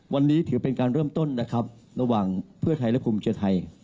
วันนี้ถือเป็นการเริ่มต้นนะครับระหว่างเพื่อไทยและภูมิใจไทย